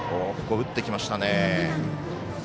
ここ打ってきましたね。